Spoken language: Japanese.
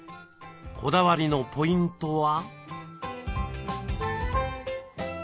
こだわりのポイントは？